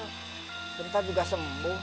sebentar juga sembuh